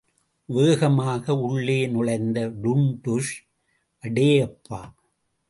வேகமாக உள்ளே நுழைந்த டுன்டுஷ் அடேயப்பா!